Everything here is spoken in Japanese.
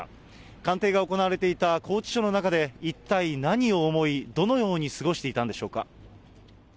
鑑定が行われていた拘置所の中で、一体何を思い、どのように過ごしていたんでしょうか。